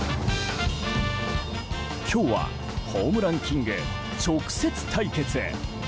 今日はホームランキング直接対決。